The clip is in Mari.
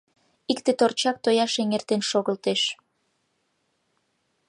Икте торчак тояш эҥертен шогылтеш.